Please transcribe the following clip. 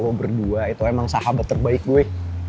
gue berdua itu emang sahabat terbaik gue